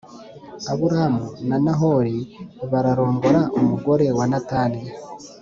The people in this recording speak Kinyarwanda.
Aburamu na Nahori bararongora umugore wa Natani